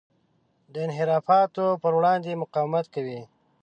د انحرافاتو پر وړاندې مقاومت کوي.